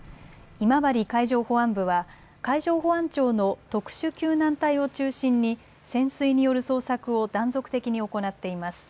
今治海上保安部は海上保安庁の特殊救難隊を中心に潜水による捜索を断続的に行っています。